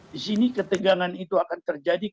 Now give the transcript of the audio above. di sini ketegangan itu akan terjadi